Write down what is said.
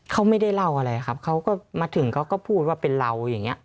เขาไม่ได้เล่าอะไรครับเขาก็มาถึงเขาก็พูดว่าเป็นเราอย่างนี้